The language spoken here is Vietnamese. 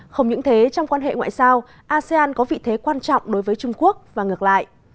không những thế trong quan hệ ngoại giao asean có vị thế quan trọng đối với trung quốc và ngược lại